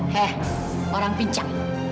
heh orang pincak